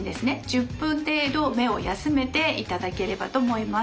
１０分程度目を休めていただければと思います。